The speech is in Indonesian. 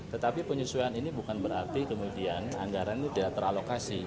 tetapi penyesuaian ini bukan berarti kemudian anggaran ini tidak teralokasi